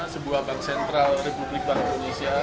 sebuah bank sentral republik bank indonesia